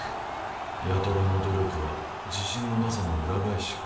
八虎の努力は自信のなさの裏返しか。